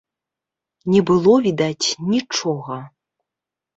Не было відаць нічога.